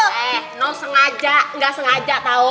eh no sengaja tidak sengaja tahu